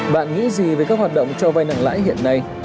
bạn nghĩ gì về các hoạt động cho vay nặng lãi hiện nay